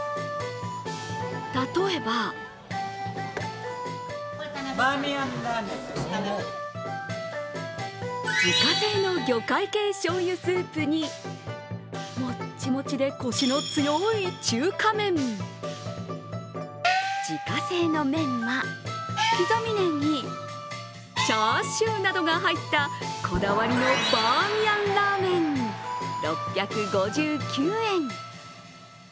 例えば自家製の魚介系しょうゆスープにもちもちで、コシの強い中華麺、自家製のメンマ、刻みねぎ、チャーシューなどが入ったこだわりのバーミヤンラーメン、６５９円。